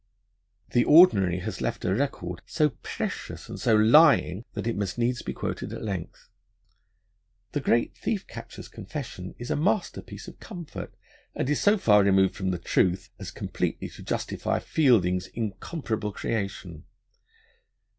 The Ordinary has left a record so precious and so lying, that it must needs be quoted at length. The great Thief Catcher's confession is a masterpiece of comfort, and is so far removed from the truth as completely to justify Fielding's incomparable creation.